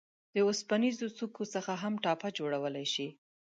د اوسپنیزو سکو څخه هم ټاپه جوړولای شئ.